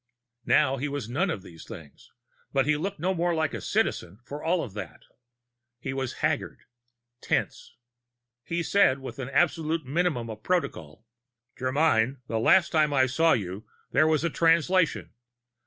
Now he was none of these things, but he looked no more like a Citizen for all that; he was haggard, tense. He said, with an absolute minimum of protocol: "Germyn, the last time I saw you, there was a Translation.